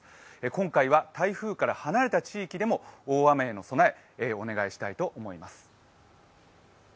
今回は台風から離れた地域でも大雨への備えお願いしたいと思います。